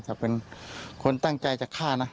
เป็นคนตั้งใจจะฆ่านะ